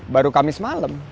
baru kamis malam